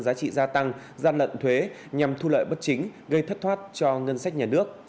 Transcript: giá trị gia tăng gian lận thuế nhằm thu lợi bất chính gây thất thoát cho ngân sách nhà nước